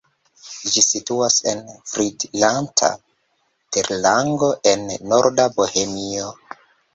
Ĝi situas en Fridlanta terlango en norda Bohemio.